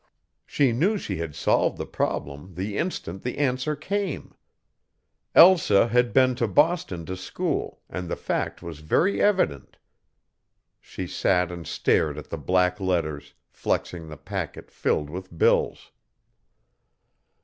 She knew she had solved the problem the instant the answer came. Elsa had been to Boston to school, and the fact was very evident. She sat and stared at the black letters, flexing the packet filled with bills.